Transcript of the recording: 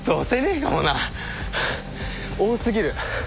多過ぎる。